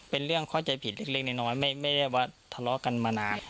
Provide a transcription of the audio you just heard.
เป็นเรื่องเข้าใจผิดเล็กน้อยไม่ได้ว่าทะเลาะกันมานาน